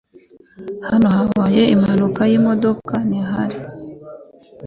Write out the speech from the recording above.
Hano habaye impanuka yimodoka, ntihari?